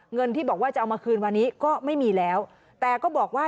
เงินที่บอกว่าจะเอามาคืนวันนี้ก็ไม่มีแล้ว